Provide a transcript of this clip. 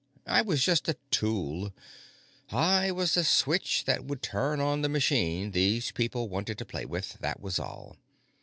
I was just a tool; I was the switch that would turn on the machine these people wanted to play with, that was all.